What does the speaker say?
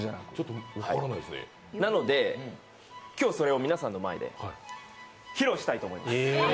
なので、今日それを皆さんの前で披露したいと思います。